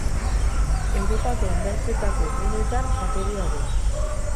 Europako hondartzetako dunetan jatorria du.